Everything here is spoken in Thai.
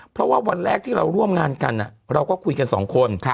เพราะว่าวันแรกที่เราร่วมงานกันเราก็คุยกันสองคน